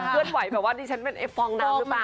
เลื่อนไหวแบบว่าดิฉันเป็นเอฟฟองน้ำหรือเปล่า